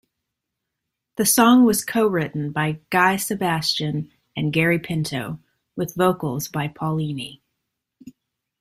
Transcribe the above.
The song was co-written by Guy Sebastian and Gary Pinto, with vocals by Paulini.